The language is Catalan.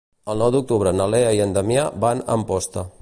El nou d'octubre na Lea i en Damià van a Amposta.